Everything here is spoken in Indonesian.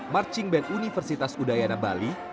marching band universitas udayana bali